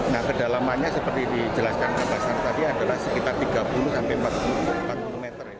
nah kedalamannya seperti dijelaskan ke pasar tadi adalah sekitar tiga puluh sampai empat puluh empat meter